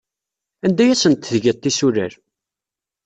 Anda ay asent-tgiḍ tisulal?